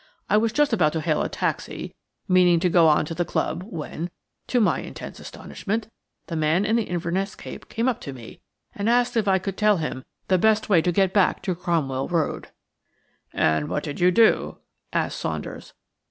I was just about to hail a taxi, meaning to go on to the club, when, to my intense astonishment, the man in the Inverness cape came up to me and asked me if I could tell him the best way to get back to Cromwell Road." "And what did you do?" asked Saunders.